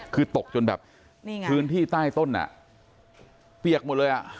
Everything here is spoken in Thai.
คือตกจนแบบพื้นที่ใต้ต้นเปียกหมดเลยอ่ะ